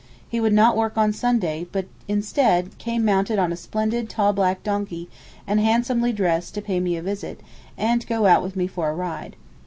He would not work on Sunday, but instead, came mounted on a splendid tall black donkey, and handsomely dressed, to pay me a visit, and go out with me for a ride.